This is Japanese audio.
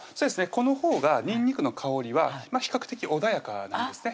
このほうがにんにくの香りは比較的穏やかなんですね